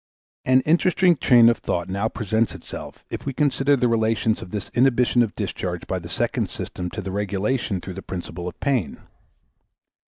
An interesting train of thought now presents itself if we consider the relations of this inhibition of discharge by the second system to the regulation through the principle of pain.